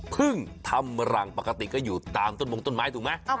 ทำรังปกติก็อยู่ตามต้นมงต้นไม้ถูกไหม